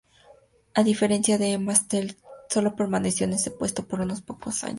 A diferencia de Emma, Stella sólo permaneció en ese puesto por unos pocos años.